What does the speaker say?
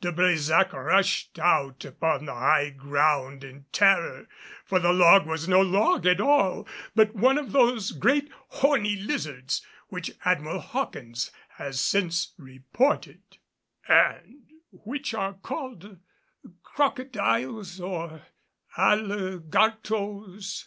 De Brésac rushed out upon high ground in terror, for the log was no log at all, but one of those great horny lizards, which Admiral Hawkins has since reported, and which are called crocodiles, or alligartos.